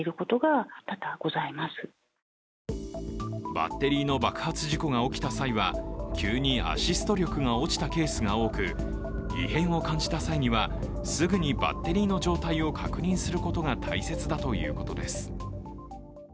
バッテリーの爆発事故が起きた際は、急にアシスト力が落ちたケースが多く異変を感じた際にはすぐにバッテリーの状態を確認することが大切だということです。